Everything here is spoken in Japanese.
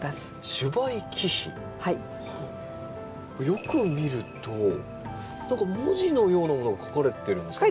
よく見ると何か文字のようなものが書かれてるんですかね。